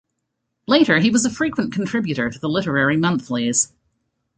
Later he was a frequent contributor to the literary monthlies.